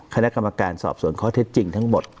คณะกรรมการสอบสวนข้อเท็จจริงทั้งหมด